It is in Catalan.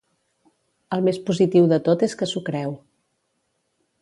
El més positiu de tot és que s'ho creu.